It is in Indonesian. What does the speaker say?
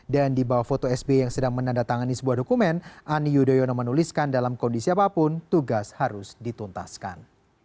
dan di bawah foto sbi yang sedang menandatangani sebuah dokumen ani yudhoyono menuliskan dalam kondisi apapun tugas harus dituntaskan